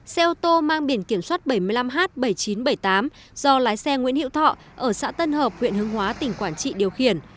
xe ô tô mang biển kiểm soát bảy mươi năm h bảy nghìn chín trăm bảy mươi tám do lái xe nguyễn hữu thọ ở xã tân hợp huyện hương hóa tỉnh quảng trị điều khiển